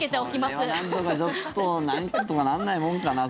それは、ちょっとなんとかなんないもんかな。